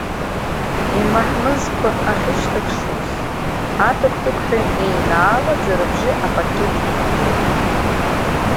Имаҳмызқәа ахьышьҭакшоз, атыгә-тыгәҳәа еинаалаӡа рыбжьы апаркет иқәыҩуан.